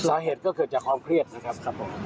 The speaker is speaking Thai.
สาเหตุก็เกิดจากความเครียดนะครับครับผม